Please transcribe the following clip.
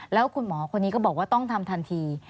แล้วคุณหมอคนนี้ก็บอกว่าต้องทำทันที